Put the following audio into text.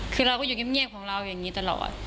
คือเราก็อยู่เงียบของเราตลอด